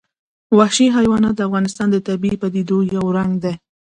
وحشي حیوانات د افغانستان د طبیعي پدیدو یو رنګ دی.